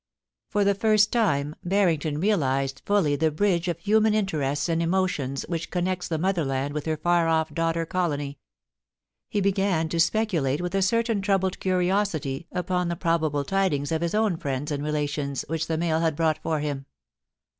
For the first time Barrington reajised fully the bridge of human interests and emotions which connects the mother land with her far off daughter colony. He began to speculate with a certain troubled curiosity upon the probable tidings of his own friends and relations, which the mail had brought for him.